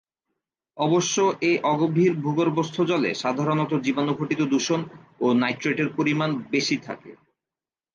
অবশ্য এ অগভীর ভূগর্ভস্থ জলে সাধারণত জীবাণুঘটিত দূষণ ও নাইট্রেটের পরিমাণ বেশি থাকে।